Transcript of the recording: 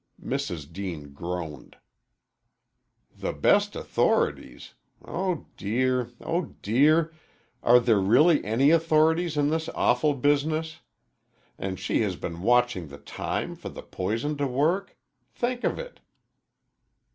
Mrs. Deane groaned. "The best authorities? Oh, dear oh, dear! Are there really any authorities in this awful business? And she has been watching the time for the poison to work think of it!"